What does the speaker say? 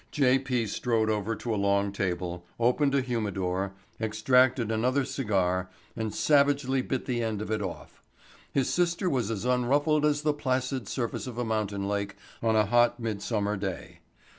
J. P. strode over to a long table, opened a humidor, extracted another cigar and savagely bit the end of it off. His sister was as unruffled as the placid surface of a mountain lake on a hot mid summer day.